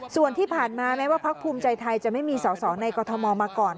ส่วนที่ผ่านมาแม้ว่าพักภูมิใจไทยจะไม่มีสอสอในกรทมมาก่อน